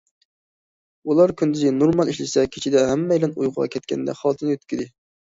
ئۇلار كۈندۈزى نورمال ئىشلىسە، كېچىدە ھەممەيلەن ئۇيقۇغا كەتكەندە خالتىنى يۆتكىدى.